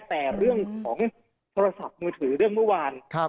แต่เรื่องของโทรศัพท์มือถือเรื่องเมื่อวาน